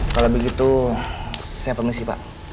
kalau begitu saya permisi pak